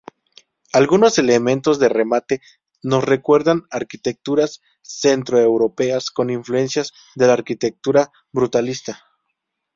Algunos elementos de remate nos recuerdan arquitecturas centroeuropeas con influencias de la arquitectura brutalista.